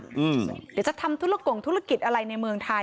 เดี๋ยวจะทำธุรกงธุรกิจอะไรในเมืองไทย